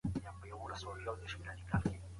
راوتلي دي. دا ډول شخړي نه یوازي داچي